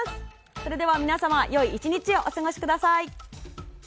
それでは皆様良い１日をお過ごしください。